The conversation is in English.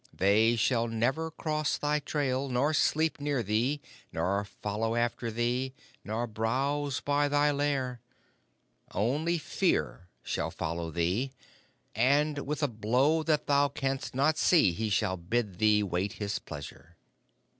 They shall never cross thy trail, nor sleep near thee, nor follow after thee, nor browse by thy lair. Only Fear shall follow thee, and with a blow that thou canst not see he shall bid thee wait his pleasure.